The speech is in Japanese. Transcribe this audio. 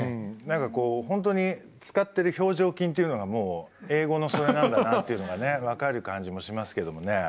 何かこう本当に使ってる表情筋っていうのがもう英語のそれなんだなっていうのがね分かる感じもしますけどもね。